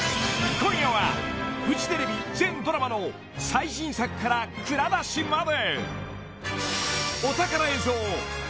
［今夜はフジテレビ全ドラマの最新作から蔵出しまで］